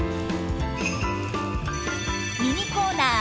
ミニコーナー